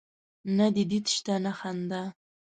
نه دي دید سته نه خندا